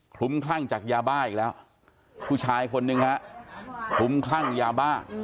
ลุ้มคลั่งจากยาบ้าอีกแล้วผู้ชายคนหนึ่งฮะคลุ้มคลั่งยาบ้า